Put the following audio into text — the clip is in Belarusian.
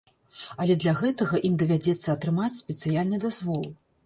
Але для гэтага ім давядзецца атрымаць спецыяльны дазвол.